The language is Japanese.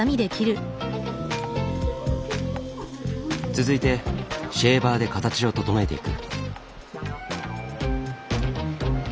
続いてシェーバーで形を整えていく。